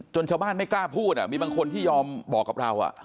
ชาวบ้านไม่กล้าพูดมีบางคนที่ยอมบอกกับเรา